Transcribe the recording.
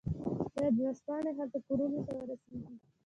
شاید ورځپاڼې هلته کورونو ته ورسیږي